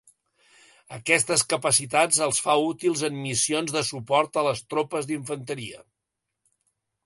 Aquestes capacitats els fa útils en missions de suport a les tropes d'infanteria.